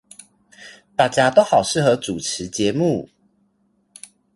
大家都好適合主持節目